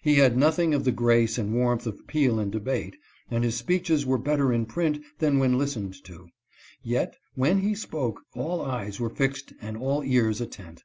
He had nothing of the grace and warmth of Peel in debate, and his speeches were better in print than when listened to ; yet when he spoke all eyes were fixed and all ears attent.